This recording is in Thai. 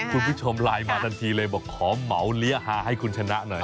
คุณผู้ชมไลน์มาทันทีเลยบอกขอเหมาเลี้ยฮาให้คุณชนะหน่อย